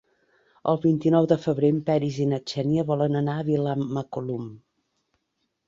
El vint-i-nou de febrer en Peris i na Xènia volen anar a Vilamacolum.